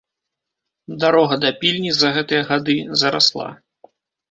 Дарога да пільні за гэтыя гады зарасла.